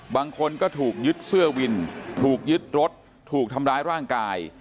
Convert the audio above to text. บางคนก็ถูกยึดเสื้อวินถูกยึดรถถูกทำร้ายร่างกาย